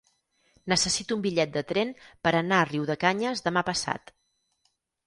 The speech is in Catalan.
Necessito un bitllet de tren per anar a Riudecanyes demà passat.